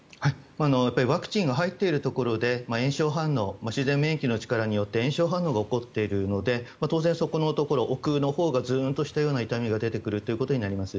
ワクチンが入っているところで炎症反応、自然免疫の力によって炎症反応が起こっているので当然、そこのところ奥のほうがズーンとしたような痛みが出てくることになります。